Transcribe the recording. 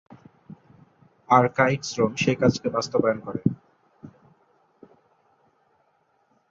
আর কায়িক শ্রম সেই কাজকে বাস্তবায়ন করে।